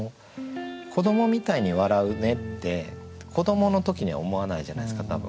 「子どもみたいに笑ふね」って子どもの時には思わないじゃないですか多分。